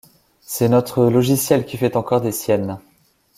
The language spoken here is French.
c'est notre logiciel qui fait encore des siennes.